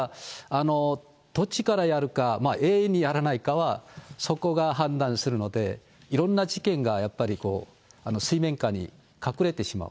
どっちからやるか、永遠にやらないかは、そこが判断するので、いろんな事件がやっぱり水面下に隠れてしまう。